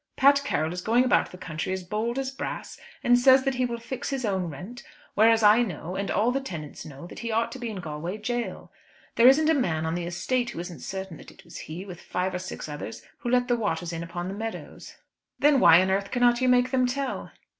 "Pat Carroll is going about the country as bold as brass, and says that he will fix his own rent; whereas I know, and all the tenants know, that he ought to be in Galway jail. There isn't a man on the estate who isn't certain that it was he, with five or six others, who let the waters in upon the meadows." "Then why on earth cannot you make them tell?"